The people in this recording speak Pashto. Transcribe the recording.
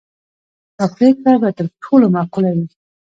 دا پرېکړه به تر ټولو معقوله وي.